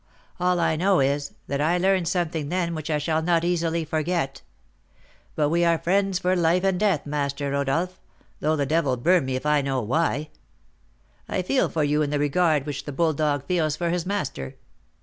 All I know is, that I learned something then which I shall not easily forget. But we are friends for life and death, Master Rodolph, though the devil burn me if I know why. I feel for you the regard which the bulldog feels for his master.